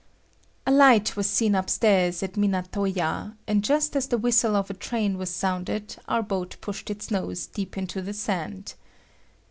A light was seen upstairs at Minato ya, and just as the whistle of a train was sounded, our boat pushed its nose deep into the sand.